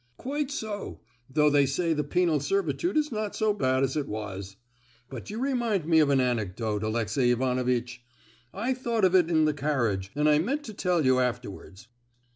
"Quite so; though they say the penal servitude is not so bad as it was. But you remind me of an anecdote, Alexey Ivanovitch. I thought of it in the carriage, and meant to tell you afterwards.